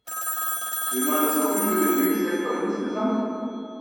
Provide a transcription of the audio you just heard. Will man das wirklich für den Milchsektor insgesamt?